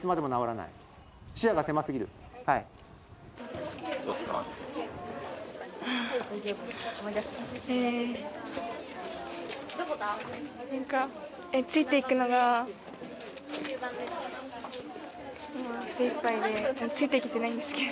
なんかついていくのが精いっぱいで、ついていけてないんですけど。